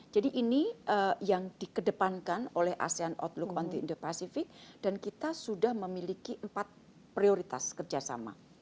jadi ini yang dikedepankan oleh asean outlook on the indo pacific dan kita sudah memiliki empat prioritas kerjasama